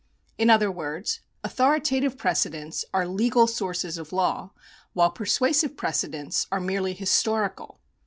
In other words, authoritative precedents are legal sources of law, while persuasive precedents are merely his torical.